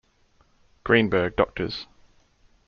Greenberg, Drs.